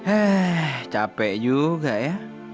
eh capek juga ya